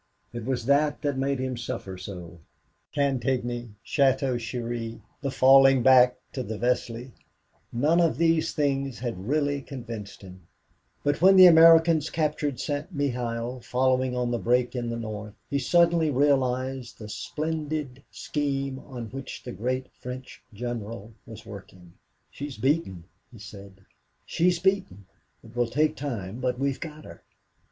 It was that that made him suffer so. Cantigny, Château Thierry, the falling back to the Vesle none of these things had really convinced him. But when the Americans captured St. Mihiel, following on the break in the North, he suddenly realized the splendid scheme on which the great French general was working. "She's beaten," he said, "she's beaten. It will take time, but we've got her."